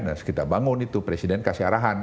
dan kita bangun itu presiden kasih arahan